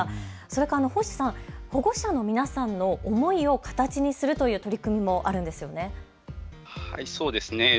それから星さん、保護者の皆さんの思いを形にするという取り組みもあるんですよね。